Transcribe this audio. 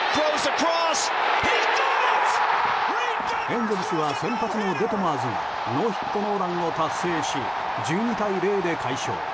エンゼルスは先発のデトマーズがノーヒットノーランを達成し１２対０で快勝。